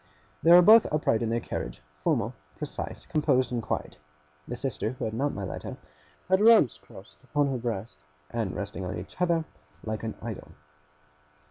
They were both upright in their carriage, formal, precise, composed, and quiet. The sister who had not my letter, had her arms crossed on her breast, and resting on each other, like an Idol.